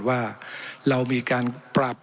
ว่าเรามีการปรับ